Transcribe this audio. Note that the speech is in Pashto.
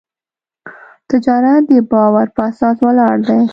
تجارت د باور په اساس ولاړ دی.